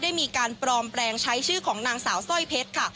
ได้มีการปลอมแปลงใช้ชื่อของนางสาวสร้อยเพชรค่ะ